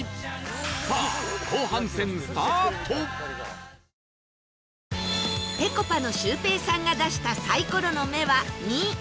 さあぺこぱのシュウペイさんが出したサイコロの目は２